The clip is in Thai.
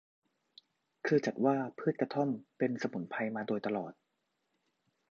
คือจัดว่าพืชกระท่อมเป็นสมุนไพรมาโดยตลอด